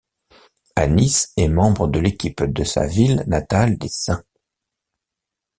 Annis est membre de l'équipe de sa ville natale des St.